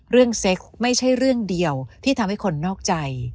เซ็กไม่ใช่เรื่องเดียวที่ทำให้คนนอกใจ